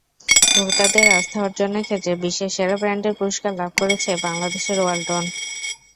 ভোক্তাদের আস্থা অর্জনের ক্ষেত্রে বিশ্বের সেরা ব্র্যান্ডের পুরস্কার লাভ করেছে বাংলাদেশের ওয়ালটন।